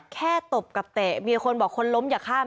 ตบกับเตะมีคนบอกคนล้มอย่าข้าม